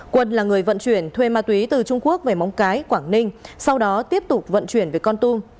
quân là người vận chuyển thuê ma túy từ trung quốc về móng cái quảng ninh sau đó tiếp tục vận chuyển về con tum